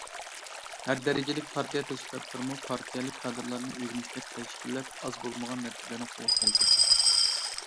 ھەر دەرىجىلىك پارتىيە تەشكىلاتلىرىمۇ پارتىيەلىك كادىرلارنى ئۆگىنىشكە تەشكىللەپ ئاز بولمىغان نەتىجىلەرنى قولغا كەلتۈردى.